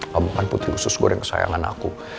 kamu kan putri usus goreng kesayangan aku